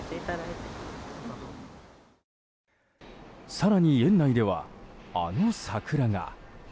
更に園内では、あの桜が。